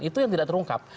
itu yang tidak terungkap